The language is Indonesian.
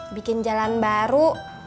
bikin jalan baru